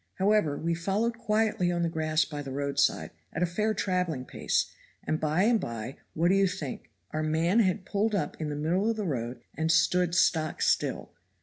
However we followed quietly on the grass by the road side at a fair traveling pace, and by and by what do you think? Our man had pulled up in the middle of the road and stood stock still.